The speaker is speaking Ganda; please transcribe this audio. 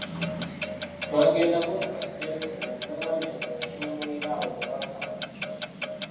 Twagendako mu kasitenseni ne mwannyinaze ne tuwummulira awo ppaka lwaggulo.